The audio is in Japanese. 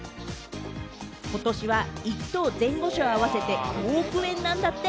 ことしは１等・前後賞合わせて５億円なんだって！